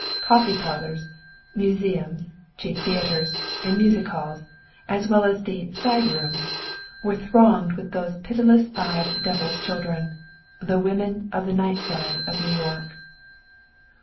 "Coffee parlors," museums, cheap theaters, and music halls, as well as the "side rooms," were thronged with those pitiless eyed Devil's children, the women of the night side of New York!